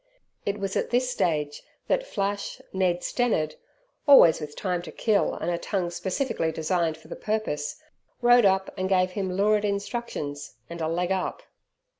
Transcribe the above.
It was at this stage that "flash" Ned Stennard, always with time to kill and a tongue specially designed for the purpose, rode up and gave him lurid instructions and a leg up.